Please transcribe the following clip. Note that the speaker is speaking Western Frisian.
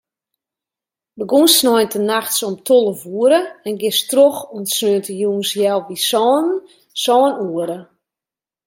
Begûnst sneintenachts om tolve oere en giest troch oant sneontejûns healwei sânen, sân oere.